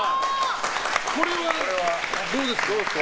これはどうですか？